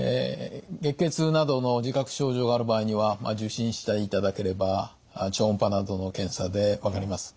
月経痛などの自覚症状がある場合には受診していただければ超音波などの検査で分かります。